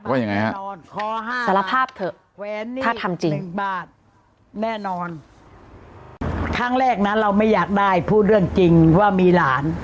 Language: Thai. ว่ายังไงฮะสารภาพเถอะถ้าทำจริงบ้าแน่นอนครั้งแรกนะเราไม่อยากได้พูดเรื่องจริงว่ามีหลาน